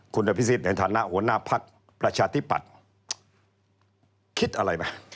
คุณอภิษฎในฐานะหัวหน้าพักประชาธิปัตย์คิดอะไรไหม